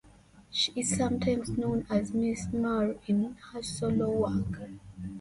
She is sometimes known as Miss Marr in her solo work.